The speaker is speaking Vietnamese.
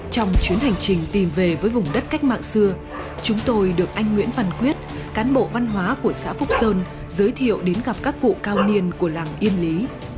trong chuyến hành trình tìm về với vùng đất cách mạng xưa chúng tôi được anh nguyễn văn quyết cán bộ văn hóa của xã phúc sơn giới thiệu đến gặp các cụ cao niên của làng yên lý